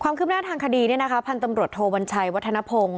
ความคืบหน้าทางคดีเนี่ยนะคะพันตำรวจโทวัญชัยวัฒนพงศ์